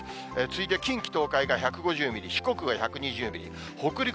次いで近畿、東海が１５０ミリ、四国が１２０ミリ、北陸、